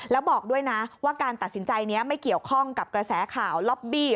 แล้วบอกด้วยนะว่าการตัดสินใจนี้ไม่เกี่ยวข้องกับกระแสข่าวล็อบบี้